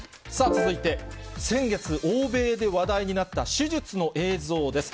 続いて、先月、欧米で話題になった、手術の映像です。